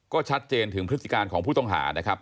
ก็ชัดเจนถึงพฤติการของผู้ต้องหานะครับ